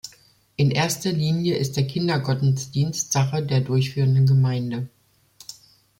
In erster Linie ist der Kindergottesdienst Sache der durchführenden Gemeinde.